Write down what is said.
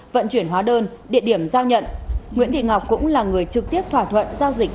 vận chuyển hóa đơn địa điểm giao nhận nguyễn thị ngọc cũng là người trực tiếp thỏa thuận giao dịch